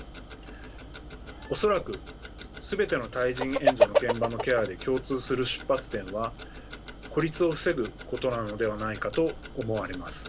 恐らく全ての対人援助の現場のケアで共通する出発点は孤立を防ぐことなのではないかと思われます。